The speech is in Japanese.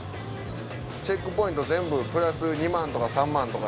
チェックポイント全部プラス２万とか３万とか。